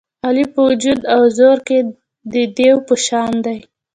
علي په وجود او زور کې د دېو په شان دی.